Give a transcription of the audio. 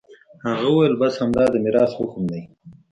هغه وويل بس همدا د ميراث حکم دى.